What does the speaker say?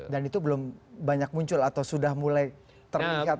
dan itu belum banyak muncul atau sudah mulai terlihat